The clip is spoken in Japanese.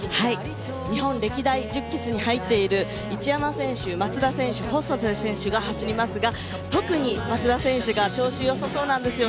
日本歴代十傑に入っている一山選手、松田選手細田選手が走りますが特に松田選手が調子がよさそうです。